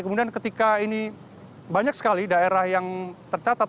kemudian ketika ini banyak sekali daerah yang tercatat